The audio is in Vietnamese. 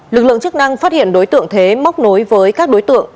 lực lượng chức năng phát hiện đối tượng thế móc nối với các đối tượng